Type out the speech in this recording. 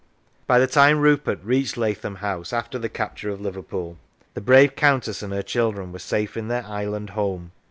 By the time Rupert reached Lathom House after the capture of Liverpool, the brave Countess and her children were safe in their island home.